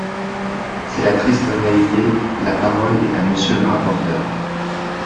C’est la triste réalité ! La parole est à Monsieur le rapporteur.